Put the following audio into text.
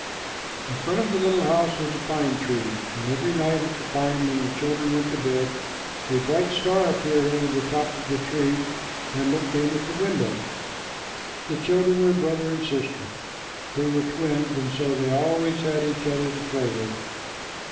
In front of the little house was a pine tree, and every night at the time when the children went to bed, a bright star appeared over the top of the tree and looked in at the window. The children were brother and sister. They were twins, and so they always had each other to play with.